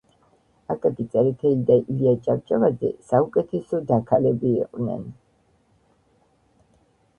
აკაკი წერეთელი და ილია ჭავჭავაძე ,საუკეთესო დაქალები იყვნენ